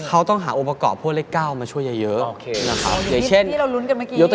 เขาต้องหาอุปกรณ์พวกเลข๙มาช่วยเยอะ